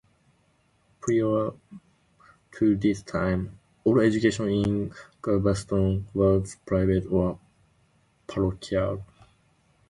Prior to this time, all education in Galveston was private or parochial.